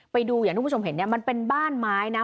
ไปดูอย่างที่คุณผู้ชมเห็นเนี่ยมันเป็นบ้านไม้นะ